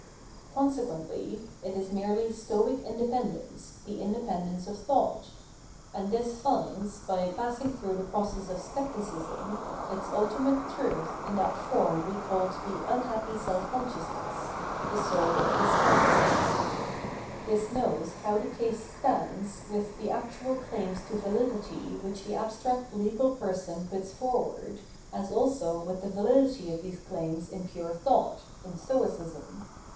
Consequently, it is merely stoic independence, the independence of thought ; and this finds, by passing through the process of scepticism, its ultimate truth in that form we called the " unhappy self consciousness "— ^the soul of despair; This knows how the case stands with the actual cl aims to validity which the abstract [legal] person puts * The Roman State. 762 Phenomenology of Mind forward, as also with, the validity of these claims in pure thought [in Stoicism].